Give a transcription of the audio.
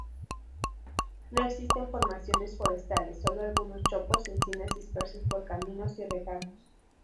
No existen formaciones forestales, sólo algunos chopos y encinas dispersos por caminos y regatos.